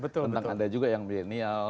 tentang ada juga yang milenial